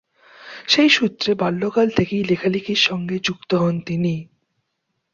সেই সূত্রে বাল্যকাল থেকেই লেখালেখির সঙ্গে যুক্ত হন তিনি।